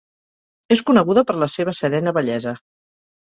És coneguda per la seva serena bellesa.